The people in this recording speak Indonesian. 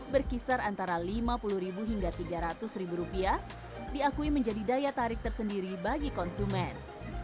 berkisar antara rp lima puluh hingga rp tiga ratus rupiah diakui menjadi daya tarik tersendiri bagi konsumen